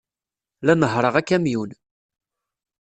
La nehhṛeɣ akamyun.